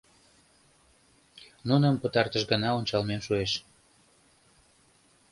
Нуным пытартыш гана ончалмем шуэш...